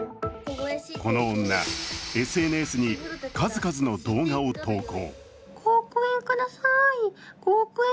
この女、ＳＮＳに数々の動画を投稿。